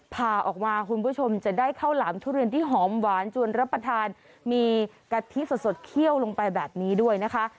พาออกมาคุณผู้ชมจะได้ข้าวหลามทุเรียนที่หอมหวานจวนรับประทานมีกะทิสดเคี่ยวลงไปแบบนี้ด้วยนะคะ